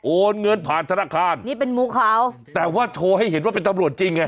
โอนเงินผ่านธนาคารนี่เป็นมุกเขาแต่ว่าโชว์ให้เห็นว่าเป็นตำรวจจริงไง